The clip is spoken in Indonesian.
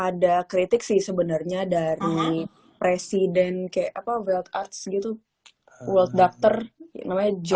ada kritik sih sebenarnya dari presiden kayak apa world arts gitu world doctor namanya john